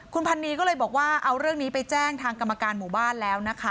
คุณพันนีก็เลยบอกว่าเอาเรื่องนี้ไปแจ้งทางกรรมการหมู่บ้านแล้วนะคะ